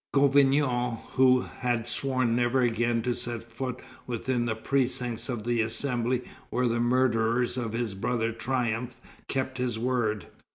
Gouvion, who had sworn never again to set foot within the precincts of the Assembly where the murderers of his brother triumphed, kept his word.